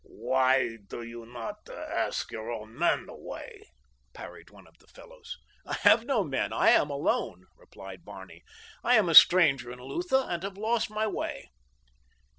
"Why do you not ask your own men the way?" parried one of the fellows. "I have no men, I am alone," replied Barney. "I am a stranger in Lutha and have lost my way."